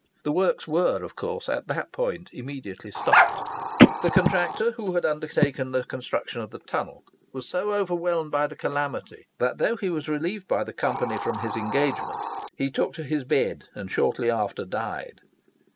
The works were of course at that point immediately stopped. [Picture: The Shafts over Kilsby Tunnel] The contractor, who had undertaken the construction of the tunnel, was so overwhelmed by the calamity, that, though he was relieved by the Company from his engagement, he took to his bed and shortly after died.